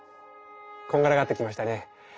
こんがらがってきましたね？